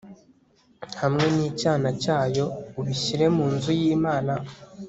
hamwe n'icyana cyacyo ubishyire mu nzu y'imana